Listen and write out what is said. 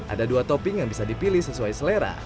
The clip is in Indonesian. ada dua topping yang bisa dipilih sesuai selera